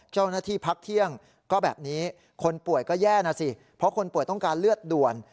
เจ้าหน้าที่พักเที่ยงก็แบบนี้คนป่วยก็แย่นะสิเพราะคนป่วยต้องการเลือดด่วน